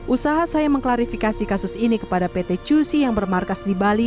usaha saya mengklarifikasi kasus ini kepada pt cusi yang bermarkas di bali